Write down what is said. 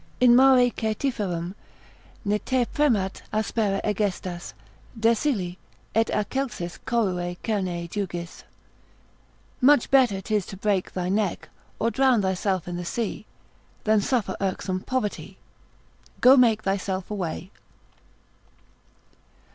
In mare caetiferum, ne te premat aspera egestas, Desili, et a celsis corrue Cerne jugis. Much better 'tis to break thy neck, Or drown thyself i' the sea, Than suffer irksome poverty; Go make thyself away.